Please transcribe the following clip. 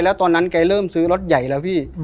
แล้วตอนนั้นแกเริ่มซื้อรถใหญ่แล้วพี่